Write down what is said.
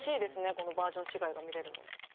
このバージョン違いが見れるの。